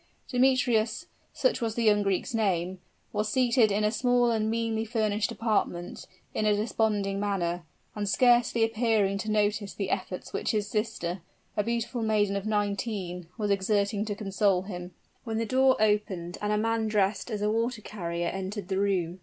Demetrius such was the young Greek's name was seated in a small and meanly furnished apartment, in a desponding manner, and scarcely appearing to notice the efforts which his sister, a beautiful maiden of nineteen, was exerting to console him, when the door opened, and a man dressed as a water carrier entered the room.